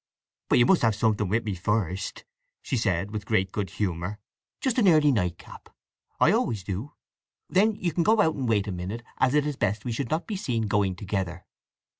"But you must have something with me first," she said with great good humour. "Just an early night cap: I always do. Then you can go out and wait a minute, as it is best we should not be seen going together."